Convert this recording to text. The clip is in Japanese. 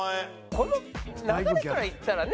この流れからいったらね。